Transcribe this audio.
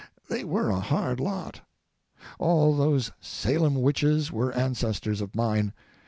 They were a hard lot! All those Salem witches were ancestors of mine!